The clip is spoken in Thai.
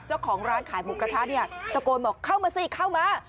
เจ้าของร้านขายหมูกระทะเนี่ยตะโกนบอกเข้ามาสิเข้ามา